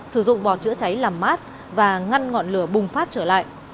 sử dụng bọt chữa cháy làm mát và ngăn ngọn lửa bùng phát trở lại